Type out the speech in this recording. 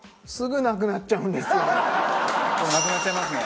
なくなっちゃいますね。